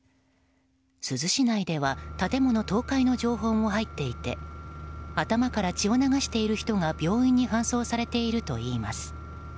珠洲市内では建物倒壊の情報も入っていて頭から血を流している人が病院に搬送されているといいます。